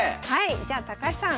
じゃあ高橋さん